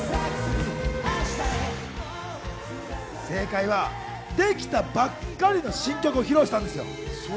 正解は、できたばっかりの新曲を披露したんです。